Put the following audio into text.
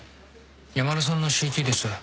山田さんのＣＴです。